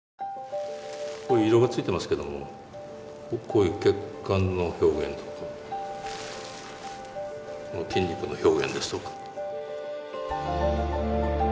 色がついてますけどもこういう血管の表現とか筋肉の表現ですとか。